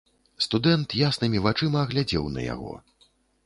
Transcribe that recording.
Студэнт яснымі вачыма глядзеў на яго.